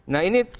nah ini adalah